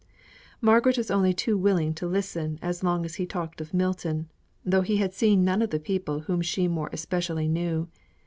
Margaret was only too willing to listen as long as he talked of Milton, though he had seen none of the people whom she more especially knew.